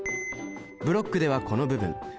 ブロックではこの部分。